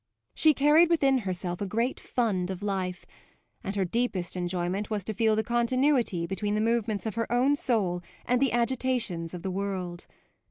She carried within herself a great fund of life, and her deepest enjoyment was to feel the continuity between the movements of her own soul and the agitations of the world.